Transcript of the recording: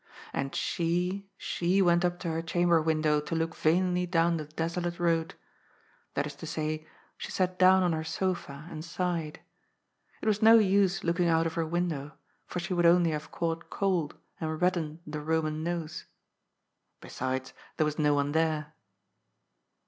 And she, she went up to her chamber window to look vainly down the desolate road. That is to say, she sat down on her sofa and sighed. It was no use looking out of her win dow, for she would only have caught cold and reddened the Boman nose. Besides, there was no one there.